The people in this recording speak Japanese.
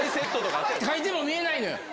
書いても見えないのよ。